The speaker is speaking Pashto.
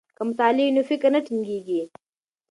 که مطالع وي نو فکر نه تنګیږي.